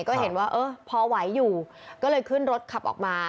ก็เห็นว่าเออพอไหวอยู่ก็เลยขึ้นรถขับออกมา